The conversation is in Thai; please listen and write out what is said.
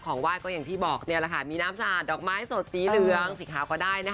ของว่ายก็อย่างที่บอกมีน้ำสาดดอกไม้สดสีเหลืองสีขาวก็ได้